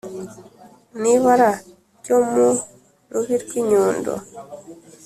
n’ibara ryo mu rubi rw’ i nyundo.